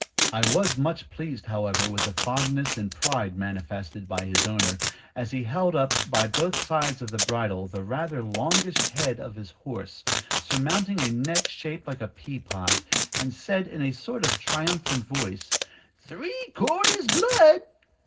I was much pleased, however, with the fondness and pride manifested by his owner, as he held up, by both sides of the bridle, the rather longish head of his horse, surmounting a neck shaped like a pea pod, and said, in a sort of triumphant voice, "three quarters blood!"